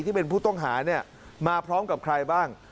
ที่เป็นผู้ต้องหาเนี่ยมาพร้อมกับใครบ้าง